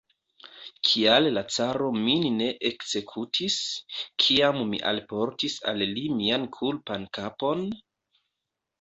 Kial la caro min ne ekzekutis, kiam mi alportis al li mian kulpan kapon?